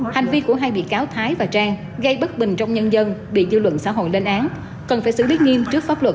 hành vi của hai bị cáo thái và trang gây bất bình trong nhân dân bị dư luận xã hội lên án cần phải xử lý nghiêm trước pháp luật